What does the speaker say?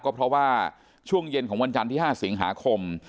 ก็เพราะว่าช่วงเย็นของวันจันทร์ที่๕สิงหาคม